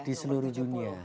di seluruh dunia